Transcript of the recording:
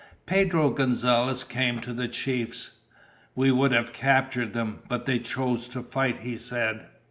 Pedro Gonzalez came to the chiefs. "We would have captured them, but they chose to fight," he said.